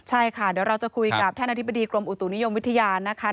ใช่ค่ะเดี๋ยวเราจะคุยกับท่านอธิบดีกรมอุตุนิยมวิทยานะคะ